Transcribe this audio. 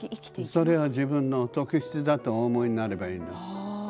それは自分の特質だと思えばいいの。